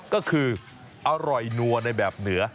ก็คืออร่อยนัวในแบบเหนือ